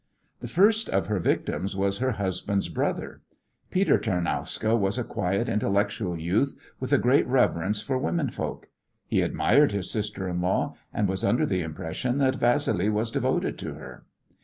The first of her victims was her husband's brother. Peter Tarnowska was a quiet, intellectual youth with a great reverence for womenfolk. He admired his sister in law, and was under the impression that Vassili was devoted to her.